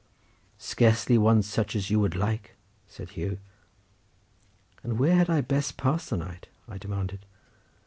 "Scarcely one such as you would like," said Hugh. "And where had I best pass the night?" I demanded.